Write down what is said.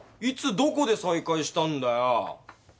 いつどこで再会したんだよ？